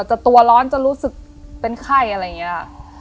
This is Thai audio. จะตัวร้อนจะรู้สึกเป็นไข้อะไรอย่างนี้